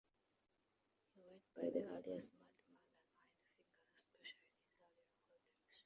He went by the alias Madman and Iron Fingers, especially in his early recordings.